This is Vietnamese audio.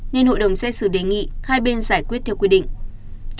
nên hội đồng xét xử đề nghị hai bên giải quyết theo quy định